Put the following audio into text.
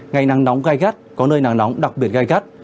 ngày nắng nóng gai gắt có nơi nắng nóng đặc biệt gai gắt